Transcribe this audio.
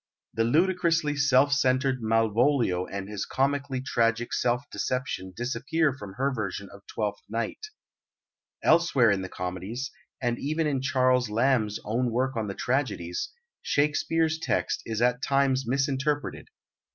The ludicrously self centred Malvolio and his comically tragic self deception disappear from her version of Twelfth Night. Elsewhere in the comedies, and even in Charles Lamb's own work on the tragedies, Shakespeare's text is at times misinterpreted.